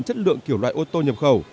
chất lượng kiểu loại ô tô nhập khẩu